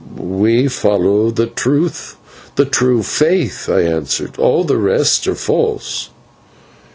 "We follow the true faith," I answered, "all the rest are false."